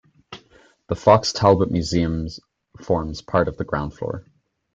The Fox Talbot Museum forms part of the ground floor.